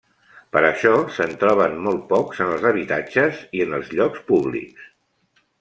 Per això, se'n troben molt pocs en els habitatges i en els llocs públics.